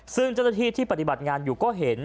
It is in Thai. ซึ่งเจ้าหน้าที่ที่ปฏิบัติงานอยู่ก็เห็น